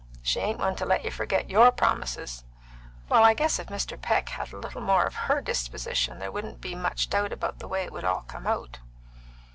She ain't one to let you forget your promises. Well, I guess if Mr. Peck had a little more of her disposition there wouldn't be much doubt about the way it would all come out."